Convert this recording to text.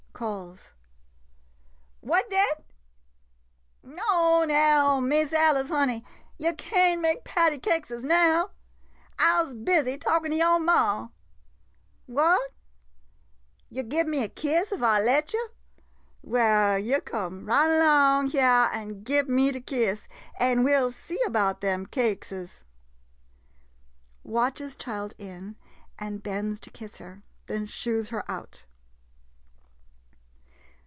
[Calls.] What dat? No, now, Miss Alice, honey, yo' can't make patty cakeses now — I 'se busy talkin' to yo' ma. What ? Yo' gib me a kiss if I let yo' ? Well, yo' come right 'long hyah an' gib me de kiss, an' we '11 see 'bout dem cakeses. [Watches child in, and bends to kiss her, then shoos her ont.